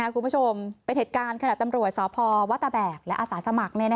คุณผู้ชมเป็นเหตุการณ์ขณะตำรวจสพวัตแบกและอาสาสมัคร